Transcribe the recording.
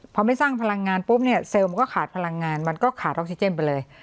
พอไม่สร้างพลังงานปุ๊บเนี่ยเซลล์มันก็ขาดพลังงานมันก็ขาดออกซิเจนไปเลย